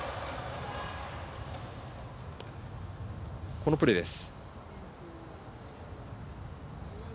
このプレーです。